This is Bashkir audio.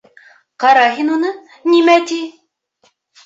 — Ҡара һин уны, нимә ти!..